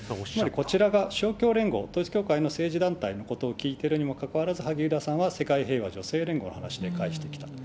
こちらが宗教連合、統一教会の政治団体のことを聞いてるにもかかわらず、萩生田さんは世界平和女性連合の話で返してきたと。